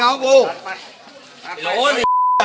ไอ้โบร์ช